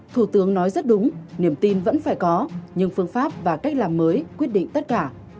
thủ tướng nói rất đúng niềm tin vẫn phải có nhưng phương pháp và cách làm mới quyết định tất cả